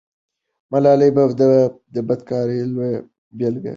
ملالۍ به د فداکارۍ لویه بیلګه وي.